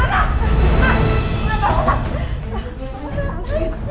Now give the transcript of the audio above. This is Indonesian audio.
hafidz akhirnya kamu pulang juga hafidz